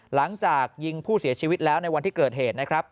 หลังจากยิงผู้เสียชีวิตแล้วในวันที่เกิดเหตุนะครับ